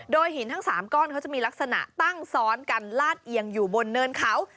โดยหินทั้ง๓ก้อนเขาจะมีลักษณะตั้งซ้อนกันลาดเอียงอยู่บนเนินเขา